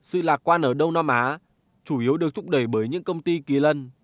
tôi nghĩ rằng sự lạc quan ở đông nam á chủ yếu được thúc đẩy bởi những công ty kỳ lân